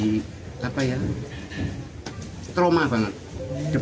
ternyata tersangka berusaha melarikan diri